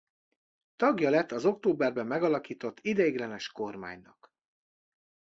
Tagja lett az októberben megalakított ideiglenes kormánynak.